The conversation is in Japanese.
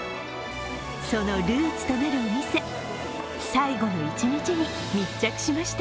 そのルーツとなるお店、最後の一日に密着しました。